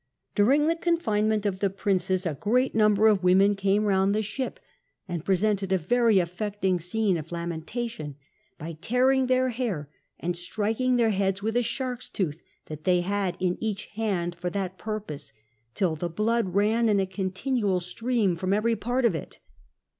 During the confinement of the princes a great number of women came round the ship, and presented a very affecting scene of lamentation by tearing their hair and striking their heads with a shark's tooth that they had in* each hand for tliat purpose, till the blood ran in a continual Btreani from every part of it.